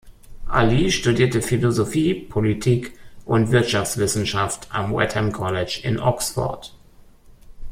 Ali studierte Philosophie, Politik- und Wirtschaftswissenschaft am Wadham College in Oxford.